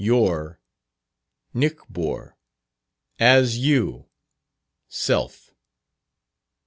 your. Nichbour. As you. Self."